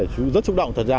chú rất xúc động thật ra